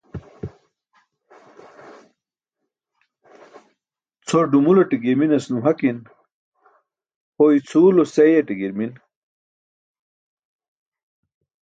Cʰor dumulate girminas nuhakin. Ho icʰuwlo seeyaṭe girmin.